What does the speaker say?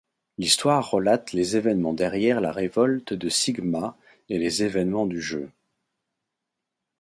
L'histoire relate les événements derrière la révolte de Sigma et les événements du jeu.